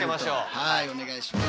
はいお願いします。